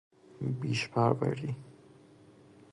بیش پروری